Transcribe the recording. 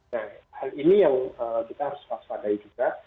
nah hal ini yang kita harus pasang lagi juga